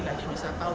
nanti bisa tahu